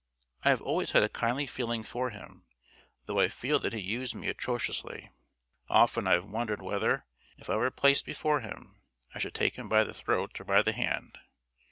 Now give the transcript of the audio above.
I have always had a kindly feeling for him, though I feel that he used me atrociously. Often I have wondered whether, if I were placed before him, I should take him by the throat or by the hand.